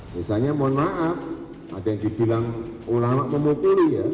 misalnya mohon maaf ada yang dibilang ulama memukuli ya